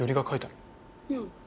うん。